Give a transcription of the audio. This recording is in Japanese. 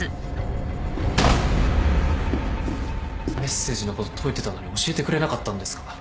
メッセージのこと解いてたのに教えてくれなかったんですか？